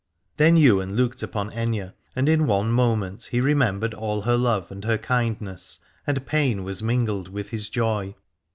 Then Ywain looked upon Aithne, and in one moment he remembered all her love and her kindness, and pain was mingled with his joy.